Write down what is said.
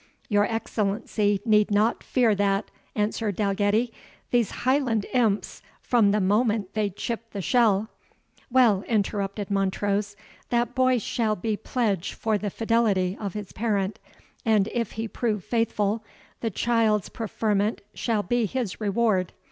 "Your Excellency need not fear that," answered Dalgetty; "these Highland imps, from the moment they chip the shell " "Well," interrupted Montrose, "that boy shall be pledge for the fidelity of his parent, and if he prove faithful, the child's preferment shall be his reward.